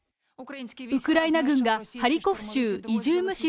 ウクライナ軍がハリコフ州イジューム